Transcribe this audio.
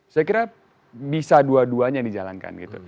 saya kira bisa dua duanya dijalankan gitu